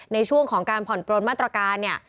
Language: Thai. ในช่วงของการผ่อนปลนมาตรการเนี่ย